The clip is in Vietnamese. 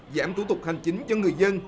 giảm thủ tục hành chính cho người dân